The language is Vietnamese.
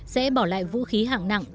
sẽ bỏ lại vũ khí hạng nặng